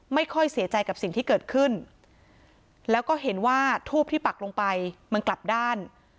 ไม่ค่อยเสียใจกับสิ่งที่เกิดขึ้นแล้วก็เห็นว่าทูบที่ปักลงไปมันกลับด้าน